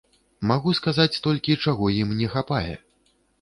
Магу сказаць толькі, чаго ім не хапае.